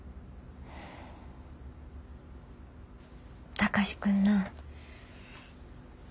貴司君な。